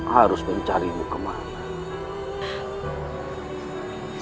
harus mencarimu kemana